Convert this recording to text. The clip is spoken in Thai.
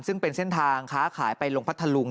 ซึ่งเป็นเส้นทางค้าขายไปลงพัทธลุง